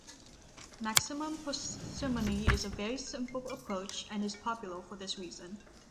Maximum parsimony is a very simple approach, and is popular for this reason.